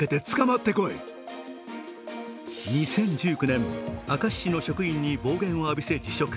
２０１９年、明石市の職員に暴言を浴びせ辞職。